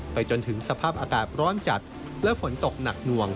จนถึงสภาพอากาศร้อนจัดและฝนตกหนักหน่วง